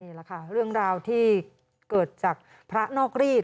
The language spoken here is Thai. นี่แหละค่ะเรื่องราวที่เกิดจากพระนอกรีด